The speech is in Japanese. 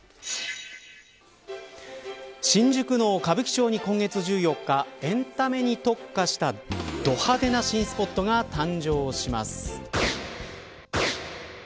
新宿の歌舞伎町に今月１４日エンタメに特化したド派手な新スポットが誕生します。